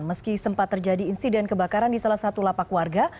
meski sempat terjadi insiden kebakaran di salah satu lapak warga